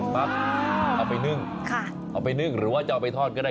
เอาไปนึ่งเอาไปนึ่งหรือว่าจะเอาไปทอดก็ได้